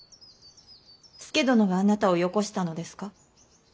佐殿があなたをよこしたのですか。